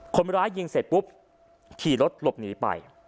คนร้ายยิงเสร็จปุ๊บขี่รถหลบหนีไป